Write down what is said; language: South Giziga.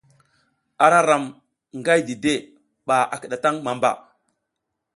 Ara ram nga dide ɓa a kiɗataŋ mamba.